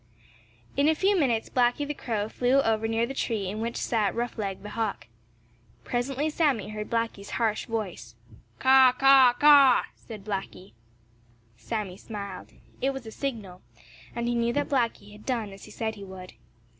In a few minutes Blacky the Crow flew over near the tree in which sat Roughleg the Hawk. Presently Sammy heard Blacky's harsh voice. "Caw, caw, caw," said Blacky. Sammy smiled. It was a signal, and he knew that Blacky had done as he had said he would.